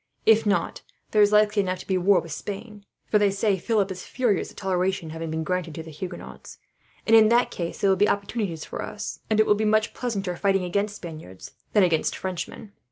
If not, there is likely enough to be war with Spain, for they say Philip is furious at toleration having been granted to the Huguenots; and in that case there will be opportunities for us, and it will be much pleasanter fighting against Spaniards than against Frenchmen.